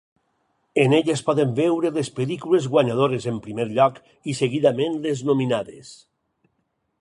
En ell es poden veure les pel·lícules guanyadores en primer lloc i seguidament les nominades.